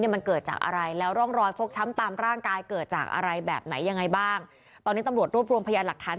เพราะว่าอยากจะฉันด้วยหรือเปล่า